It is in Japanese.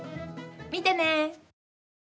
見てねー！